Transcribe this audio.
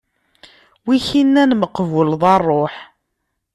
Wi k-innan meqbuleḍ a ṛṛuḥ?